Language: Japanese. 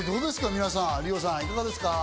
皆さん、ＲＩＯさん、いかがですか？